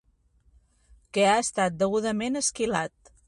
Que ha estat degudament esquilat.